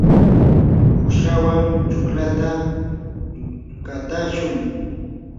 uqshawan chuklata qatashun.